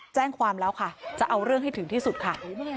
แจ้งความแล้วค่ะจะเอาเรื่องให้ถึงที่สุดค่ะ